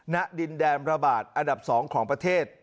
ณดินแดนระบาดอันดับ๒ของประเทศ